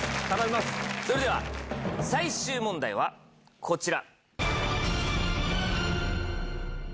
それでは最終問題はこちら！